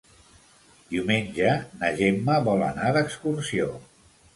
Diumenge na Gemma vol anar d'excursió.